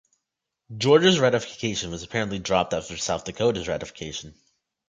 Georgia's ratification was apparently dropped after South Dakota's ratification.